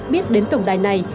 biết đến tổng đài này